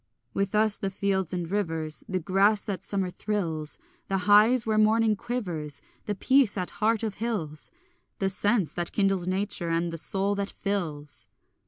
With us the fields and rivers, The grass that summer thrills, The haze where morning quivers, The peace at heart of hills, The sense that kindles nature, and the soul that fills.